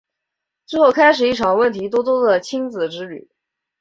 之后开始一场问题多多的亲子之旅。